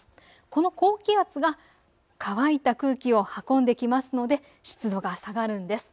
この高気圧が乾いた空気を運んできますので、湿度が下がるんです。